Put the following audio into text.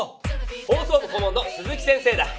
放送部顧問の鈴木先生だ！